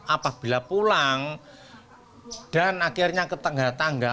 apabila pulang dan akhirnya ketangga tangga